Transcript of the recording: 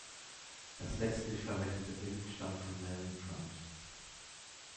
Das letztlich verwendete Bild stammt von Melvyn Grant.